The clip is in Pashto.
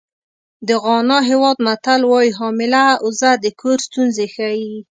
د غانا هېواد متل وایي حامله اوزه د کور ستونزې ښیي.